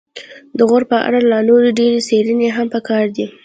د غور په اړه لا نورې ډېرې څیړنې هم پکار دي